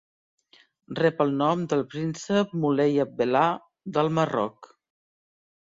Rep el nom del príncep Moulay Abdellah del Marroc.